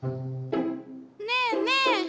ねえねえ？